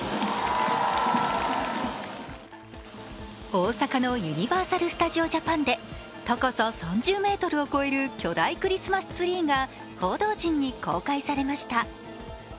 大阪のユニバーサル・スタジオ・ジャパンで高さ３０ｍを超える巨大クリスマスツリーが報道陣に公開されました。